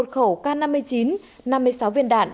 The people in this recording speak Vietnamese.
một khẩu k năm mươi chín năm mươi sáu viên đạn